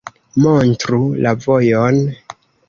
Montru la vojon.